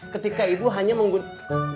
ketika ibu hanya menggunakan kata kata yang sama